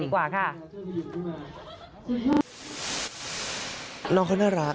ไปฟังกันดีกว่าค่ะ